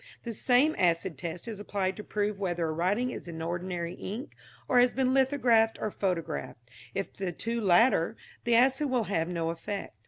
This same acid test is applied to prove whether a writing is in ordinary ink, or has been lithographed or photographed. If the two latter, the acid will have no effect.